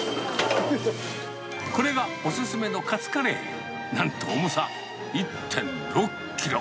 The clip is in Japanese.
これがお勧めのカツカレー、なんと重さ１．６キロ。